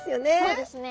そうですね。